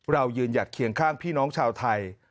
ยืนหยัดเคียงข้างพี่น้องชาวไทย